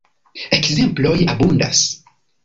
Ekzemploj abundas.